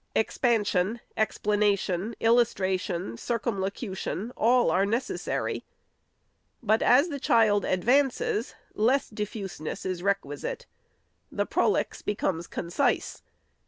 Expansion, explanation, illustra tion, circumlocution, — all are necessary. But, as the child advances, less diffuseness is requisite. The prolix becomes concise.